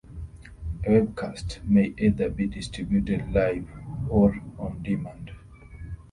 A webcast may either be distributed live or on demand.